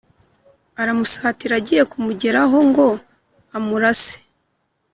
aramusatira agiye kumugeraho ngo amurase